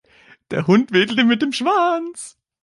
Der Hund wedelte mit dem Schwanz.